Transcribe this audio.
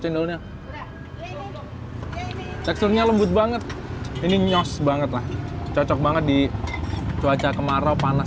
cendolnya teksturnya lembut banget ini nyos banget lah cocok banget di cuaca kemarau panas